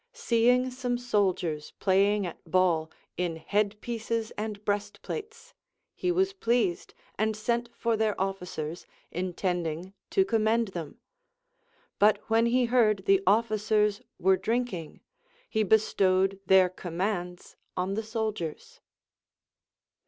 203 Seeing some soldiers playing at ball in head pieces and breast plates, he was pleased, and sent for their officers, intending to commend them ; bnt Λvhen he heard the offi cers were drinking, he bestowed their commands on the soldiers.